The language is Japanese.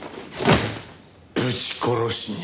ぶち殺しに。